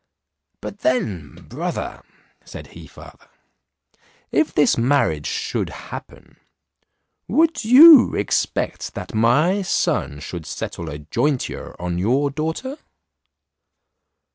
But then, brother," said he farther, "if this marriage should happen, would you expect that my son should settle a jointure on your daughter?"